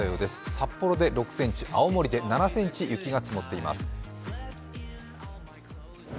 札幌で６ｃｍ、青森で７ｃｍ雪が積もっています。